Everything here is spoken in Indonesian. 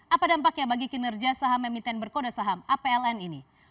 apa dampaknya bagi kinerja saham emiten berkode saham apln ini